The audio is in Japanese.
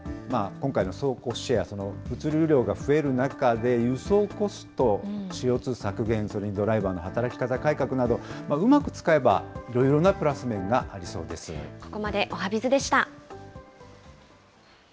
今回の倉庫シェア、物流量が増える中で、輸送コスト、ＣＯ２削減、それにドライバーの働き方改革など、うまく使えばいろいろなプラス面がありここまでおはＢｉｚでした。